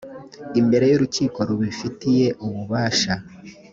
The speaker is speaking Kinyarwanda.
imbere y urukiko rubifitiye ububasha